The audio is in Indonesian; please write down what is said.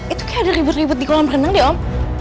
itu kayak ada ribut ribut di kolam renang dia om